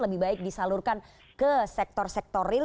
lebih baik disalurkan ke sektor sektor real